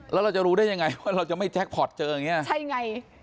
แล้วเราจะรู้ได้ยังไงว่าเราจะไม่แจ็คพอร์ตเจออย่างนี้ใช่ไง